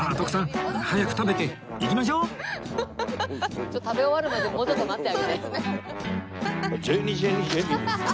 ちょっと食べ終わるまでもうちょっと待ってあげて。